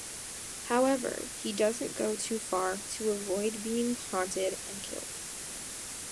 However, he doesn't go too far to avoid being haunted and killed.